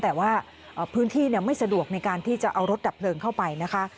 แต่ว่าพื้นที่ไม่สะดวกในการที่จะเอารถดับเพลิงเข้าไปนะคะ